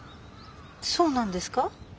そうなんですか？